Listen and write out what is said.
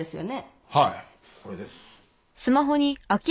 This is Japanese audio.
はいこれです。